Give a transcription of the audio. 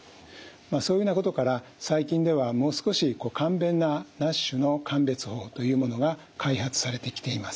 そういうようなことから最近ではもう少し簡便なＮＡＳＨの鑑別法というものが開発されてきています。